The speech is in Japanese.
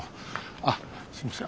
あっすいません